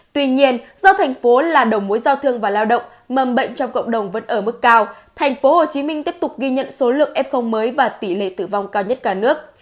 tuy nhiên do thành phố là đồng mối giao thương và lao động mầm bệnh trong cộng đồng vẫn ở mức cao thành phố hồ chí minh tiếp tục ghi nhận số lượng ép không mới và tỷ lệ tử vong cao nhất cả nước